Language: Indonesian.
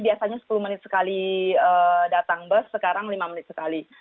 biasanya sepuluh menit sekali datang bus sekarang lima menit sekali